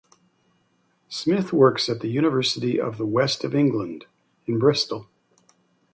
Smith works at the University of the West of England in Bristol.